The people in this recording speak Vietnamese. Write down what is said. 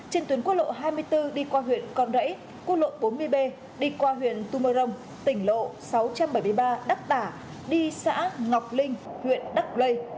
trên tuyến quốc lộ hai mươi bốn đi qua huyện con rẫy quốc lộ bốn mươi b đi qua huyện tu mơ rông tỉnh lộ sáu trăm bảy mươi ba đắc tả đi xã ngọc linh huyện đắc rây